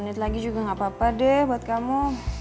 niat lagi juga gak apa apa deh buat kamu